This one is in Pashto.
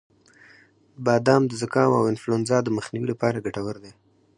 • بادام د زکام او انفلونزا د مخنیوي لپاره ګټور دی.